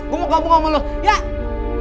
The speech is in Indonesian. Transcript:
gua mau ngamal lu jak